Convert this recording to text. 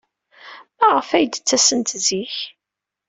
Maɣef ay d-ttasent zik?